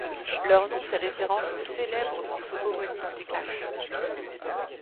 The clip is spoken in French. Leur nom fait référence au célèbre morceau homonyme des Clash.